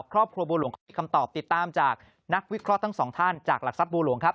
เขาบครัวบวลวงคมติดตามจากนักวิเคราะห์ทั้ง๒ท่านจากหลักทรัพย์บวลวงครับ